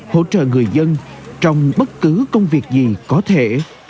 hỗ trợ người dân trong bất cứ công việc gì có thể